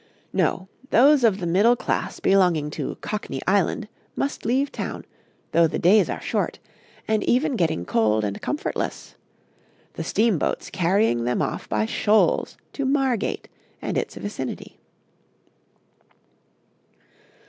'No; those of the middle class belonging to Cockney Island must leave town, though the days are short, and even getting cold and comfortless; the steamboats carrying them off by shoals to Margate and its vicinity.